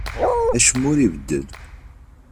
Acemma ur ibeddel.